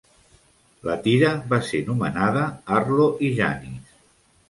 La tira va ser nomenada Arlo i Janis.